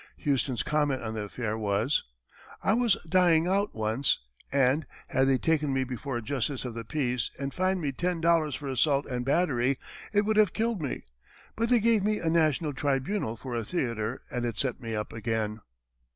Houston's comment on the affair was, "I was dying out once, and, had they taken me before a justice of the peace and fined me ten dollars for assault and battery, it would have killed me; but they gave me a national tribunal for a theatre and it set me up again."